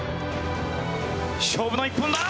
勝負の一本だ。